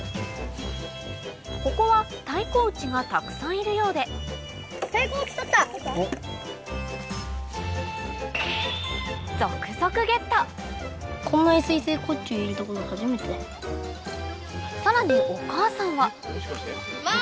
ここはタイコウチがたくさんいるようでさらにお母さんはママ。